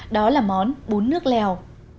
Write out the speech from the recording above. đó là món bún nước lèo